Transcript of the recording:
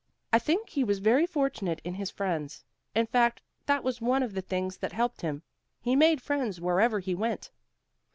"I think he was very fortunate in his friends. In fact, that was one of the things that helped him. He made friends wherever he went."